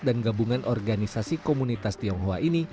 dan gabungan organisasi komunitas tionghoa ini